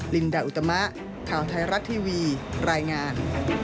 ลินดาอุตมะข่าวไทยรัฐทีวีรายงาน